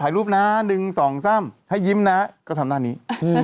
ถ่ายรูปนะ๑๒๓ให้ยิ้มนะก็ทำหน้านี้